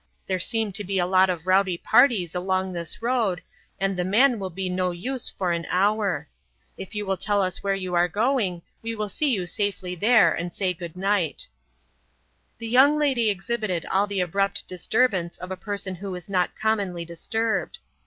"There seem to be a lot of rowdy parties along this road, and the man will be no use for an hour. If you will tell us where you are going, we will see you safely there and say good night." The young lady exhibited all the abrupt disturbance of a person who is not commonly disturbed.